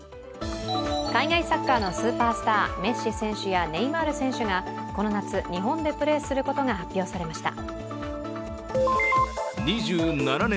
海外サッカーのスーパースター、メッシ選手やネイマール選手がこの夏、日本でプレーすることが発表されました。